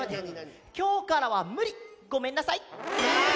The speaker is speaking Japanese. きょうからはむり。ごめんなさい。